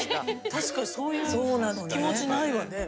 確かにそういう気持ちないわね。